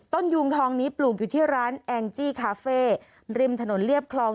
ยุงทองนี้ปลูกอยู่ที่ร้านแองจี้คาเฟ่ริมถนนเรียบคลอง